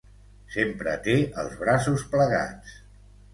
Sempre té els braços plegats.